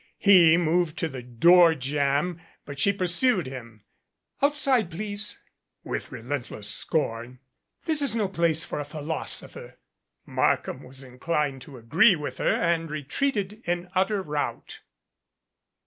He moved to the door j amb, but she pursued him. "Outside, please," with relentless scorn. "This is no place for a philosopher." Markham was inclined to agree with her and re treated in utter rout.